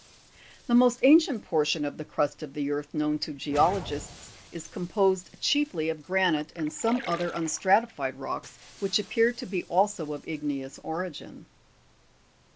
13. The most ancient portion of the crust of the earth known to geologists is composed chiefly of granite and some other un stratified rocks which appear to be also of igneous origin.